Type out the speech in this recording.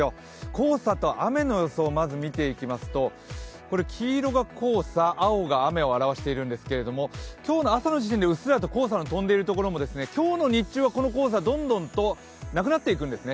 黄砂と雨の予想をまず見ていきますと黄色が黄砂、青が雨を表しているんですけど、今日の朝の時点でうっすらと黄砂が飛んでいるところも日中はこの黄砂、どんどんとなくなっていくんですね。